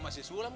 eh ini jatul